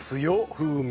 風味。